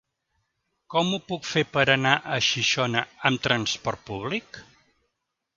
Com ho puc fer per anar a Xixona amb transport públic?